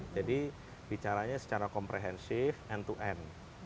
jadi bicaranya secara komprehensif end to end